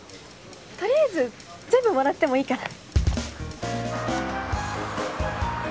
取りあえず全部もらってもいいかな？